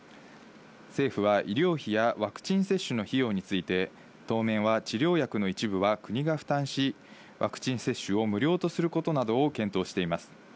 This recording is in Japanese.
政府は医療費やワクチン接種の費用について当面は治療薬の一部は国が負担し、ワクチン接種を無料とすることなどを検討しています。